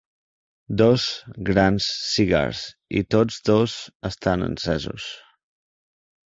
Dos grans cigars i tots dos estan encesos.